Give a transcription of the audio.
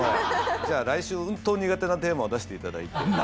じゃあ来週うんと苦手なテーマを出していただいて。